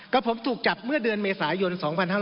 ก็ผมถูกจับเมื่อเดือนเมษายน๒๕๕๙